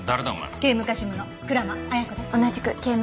警務課事務の倉間彩子です。